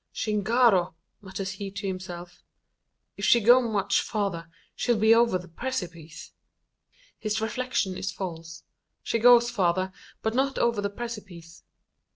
"Chingaro!" mutters he to himself, "if she go much farther, she'll be over the precipice!" His reflection is false. She goes farther, but not over the precipice.